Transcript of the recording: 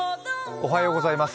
おはようございます。